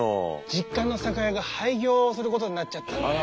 実家の酒屋が廃業することになっちゃったんだよ。